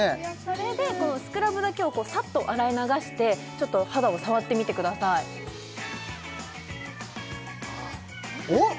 それでスクラブだけをさっと洗い流してちょっと肌を触ってみてくださいおっ！